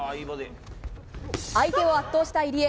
相手を圧倒した入江。